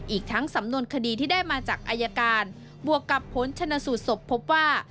อีกทั้งสำนวนคดีที่ได้มาจากอายการบวกกับผลชนสูตรศพพบว่า